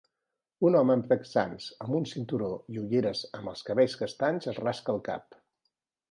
Un home amb texans amb un cinturó i ulleres amb els cabells castanys es rasca el cap